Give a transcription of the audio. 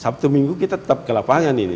sabtu minggu kita tetap ke lapangan ini